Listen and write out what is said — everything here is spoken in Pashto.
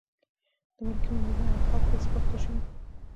د ملکي مامورینو القاب داسې پښتو شوي دي.